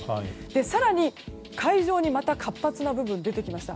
更に、海上にまた活発な部分が出てきました。